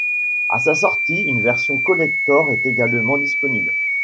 À sa sortie, une version collector est également disponible.